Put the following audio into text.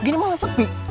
gini malah sepi